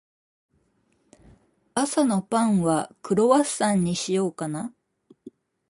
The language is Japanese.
朝のパンは、クロワッサンにしようかな。